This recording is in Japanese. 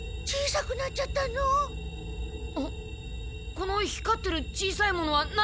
この光ってる小さいものは何？